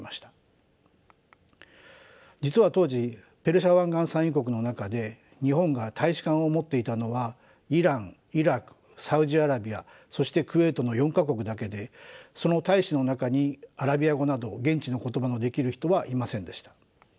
実は当時ペルシャ湾岸産油国の中で日本が大使館を持っていたのはイランイラクサウジアラビアそしてクウェートの４か国だけでその大使の中にアラビア語など現地の言葉のできる人はいませんでした。